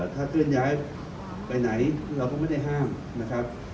ถ้าเคลื่อนย้ายไปไหนเราก็ไม่ได้ห้ามนะครับ